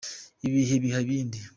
ibihe biha ibindi.